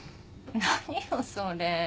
何よそれ。